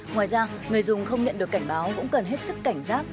ngoài ra người dùng không nhận được cảnh báo cũng cần hết sức cảnh giác